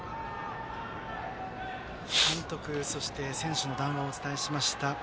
監督、そして選手の談話をお伝えしました。